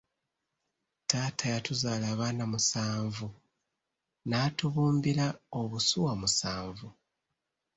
Taata yatuzaala abaana musanvu, n'atubumbira obusuwa musanvu.